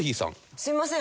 すみません。